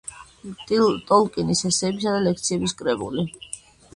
ტოლკინის ესეების და ლექციების კრებული.